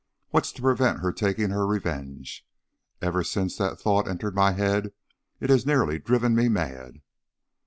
What's to prevent her taking her revenge? Ever since that thought entered my head it has nearly driven me mad."